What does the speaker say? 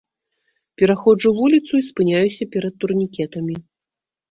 Пераходжу вуліцу і спыняюся перад турнікетамі.